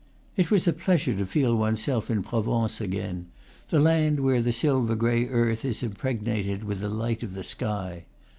It was a pleasure to feel one's self in Provence again, the land where the silver gray earth is im pregnated with the light of the sky.